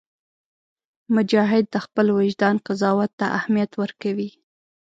مجاهد د خپل وجدان قضاوت ته اهمیت ورکوي.